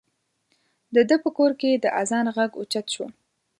د ده په کور کې د اذان غږ اوچت شو.